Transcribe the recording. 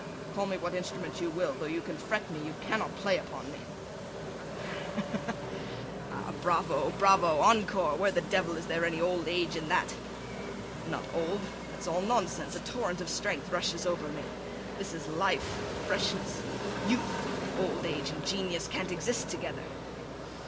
Call me what instrument you will, though you can fret me, you cannot play upon me!" [laughs and clasps] Bravo! Encore! Bravo! Where the devil is there any old age in that? I'm not old, that is all nonsense, a torrent of strength rushes over me; this is life, freshness, youth! Old age and genius can't exist together.